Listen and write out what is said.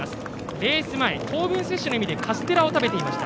レース前、糖分摂取の意味でカステラを食べていました。